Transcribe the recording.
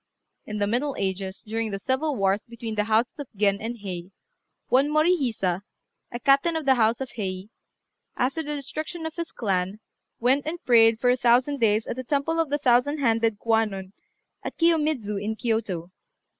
In the middle ages, during the civil wars between the houses of Gen and Hei, one Morihisa, a captain of the house of Hei, after the destruction of his clan, went and prayed for a thousand days at the temple of the thousand handed Kwannon at Kiyomidzu, in Kiyôto.